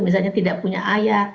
misalnya tidak punya ayah